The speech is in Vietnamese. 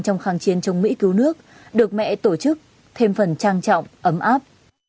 trong kháng chiến chống mỹ cứu nước được mẹ tổ chức thêm phần trang trọng ấm áp